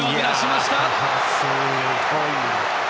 すごい。